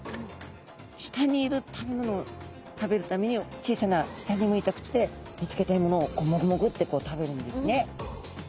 下にいる食べ物を食べるために小さな下に向いた口で見つけた獲物をもぐもぐってこう食べるんですね。